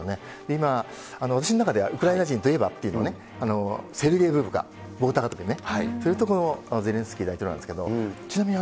今、私の中ではウクライナ人といえばっていうのね、セルゲイ・ブブカ、棒高跳びね、そういうところもゼレンスキー大統領なんですけれども、ちなみに